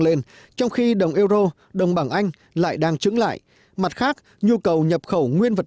lên trong khi đồng euro đồng bằng anh lại đang trứng lại mặt khác nhu cầu nhập khẩu nguyên vật